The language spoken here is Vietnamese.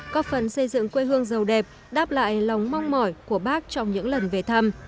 có phần xây dựng quê hương giàu đẹp đáp lại lòng mong mỏi của bác trong những lần về thăm